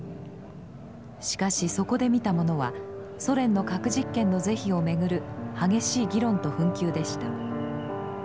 しかしそこで見たものはソ連の核実験の是非を巡る激しい議論と紛糾でした。